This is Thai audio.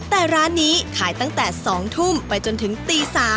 แต่ร้านนี้ขายตั้งแต่๒ทุ่มไปจนถึงตี๓